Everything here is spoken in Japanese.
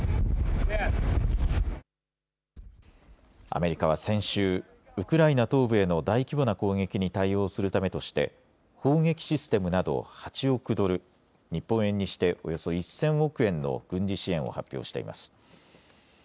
アメリカは先週、ウクライナ東部への大規模な攻撃に対応するためとして砲撃システムなど８億ドル、日本円にしておよそ１０００億円の軍事支援を発表しています。